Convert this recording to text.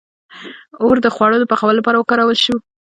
• اور د خوړو پخولو لپاره وکارول شو.